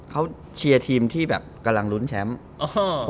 เขาเชียร์ทีมที่แบบกำลังลุ้นแชมป์